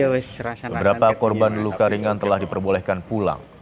beberapa korban luka ringan telah diperbolehkan pulang